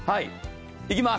行きます。